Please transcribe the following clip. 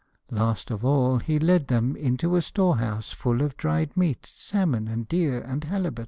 Last of all he led them into a store house full of dried meat, salmon, and deer, and halibut.